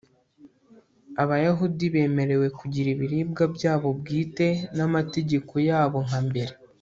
abayahudi bemerewe kugira ibiribwa byabo bwite n'amategeko yabo nka mbere